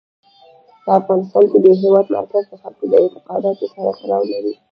په افغانستان کې د هېواد مرکز د خلکو د اعتقاداتو سره تړاو لري.